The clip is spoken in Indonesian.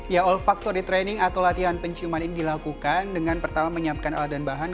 ya ol factory training atau latihan penciuman ini dilakukan dengan pertama menyiapkan alat dan bahan